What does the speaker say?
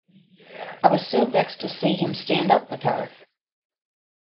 I was so vexed to see him stand up with her!